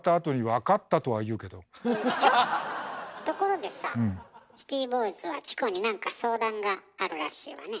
ところでさシティボーイズはチコに何か相談があるらしいわね。